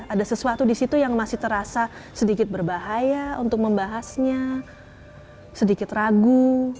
ada sesuatu di situ yang masih terasa sedikit berbahaya untuk membahasnya sedikit ragu